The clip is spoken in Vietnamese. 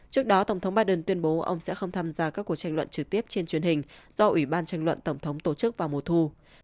trước đó tổng thống biden tuyên bố ông sẽ không tham gia các cuộc tranh luận trực tiếp trên truyền hình do ủy ban tranh luận tổng thống tổ chức vào mùa thu